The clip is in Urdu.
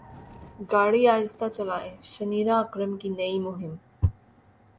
گاڑی اہستہ چلائیں شنیرا اکرم کی نئی مہم